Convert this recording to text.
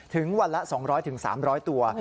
ถึงวันละ๒๐๐๓๐๐ตัว